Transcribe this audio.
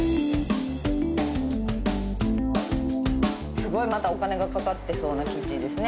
すごいお金がかかってそうなキッチンですね。